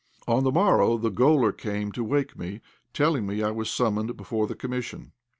On the morrow the gaoler came to wake me, telling me that I was summoned before the Commission.